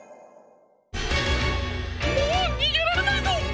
もうにげられないぞ！